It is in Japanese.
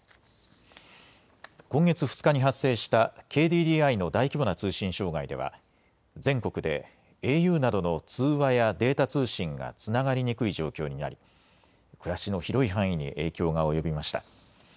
今月２日に発生したＫＤＤＩの大規模な通信障害では全国でａｕなどの通話やデータ通信がつながりにくい状況になり暮らしの広い範囲に影響が及びました。